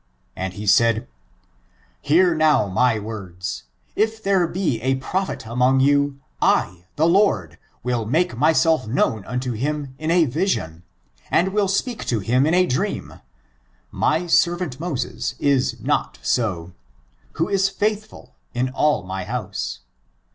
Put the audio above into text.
And he said, hear now my words: If there be a prophet among you, I, the Lord, will make my i^^^k^^^h^ FORTUNES, OF THE NEORO RACE. 403 self known unto him in a vision, and will speak (o him in a dream, my servant Moses is not so^ who is faithful in all my house.